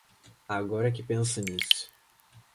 Agora que penso nisso.